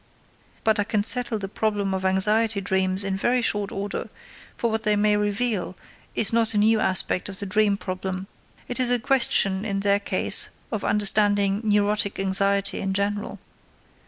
But I can settle the problem of anxiety dreams in very short order; for what they may reveal is not a new aspect of the dream problem; it is a question in their case of understanding neurotic anxiety in general.